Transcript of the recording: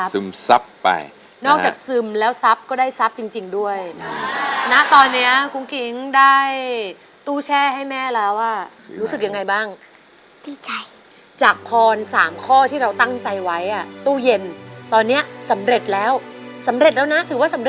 สุดยอดสุดยอดสุดยอดสุดยอดสุดยอดสุดยอดสุดยอดสุดยอดสุดยอดสุดยอดสุดยอด